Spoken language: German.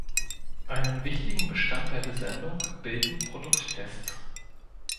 Einen wichtigen Bestandteil der Sendung bilden Produkttests.